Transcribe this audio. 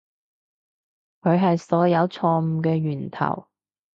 佢係所有錯誤嘅源頭